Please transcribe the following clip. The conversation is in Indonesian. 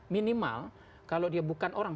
minimal kalau dia bukan orang